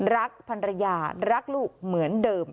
รักพันรยารักลูกเหมือนเดิม